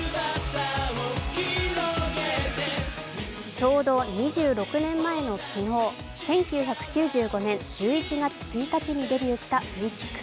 ちょうど２６年前の昨日１９９５年１１月１日にデビューしたＶ６。